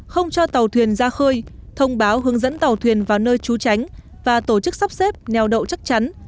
không cho tàu thuyền ra khơi thông báo hướng dẫn tàu thuyền vào nơi trú tránh và tổ chức sắp xếp neo đậu chắc chắn